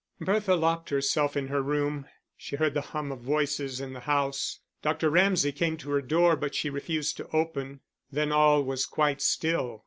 Bertha locked herself in her room. She heard the hum of voices in the house, Dr. Ramsay came to her door, but she refused to open; then all was quite still.